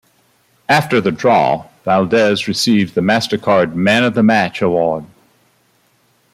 After the draw, Valdez received the MasterCard Man of the Match award.